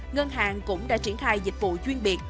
ngân hàng cũng đã triển khai dịch vụ chuyên biệt